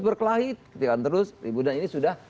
berkelahi ketika terus ribu dan ini sudah